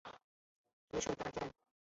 足球大决战！